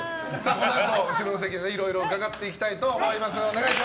このあと後ろの席でいろいろ伺っていきたいと思います。